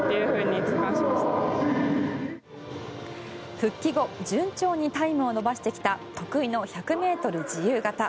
復帰後順調にタイムを伸ばしてきた得意の１００ｍ自由形。